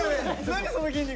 何その筋肉。